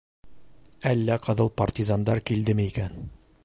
Әллә ҡыҙыл партизандар килдеме икән?